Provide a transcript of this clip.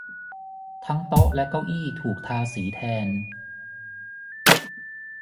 ทั้งโต๊ะและเก้าอี้ถูกทาสีแทน